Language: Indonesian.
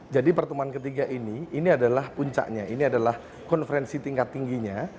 jadi pertemuan ketiga ini adalah puncaknya ini adalah konferensi tingkat tingginya